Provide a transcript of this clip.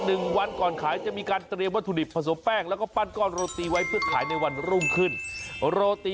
เออได้ยินเสียงแบบนี้แล้วมันโอ้โฮ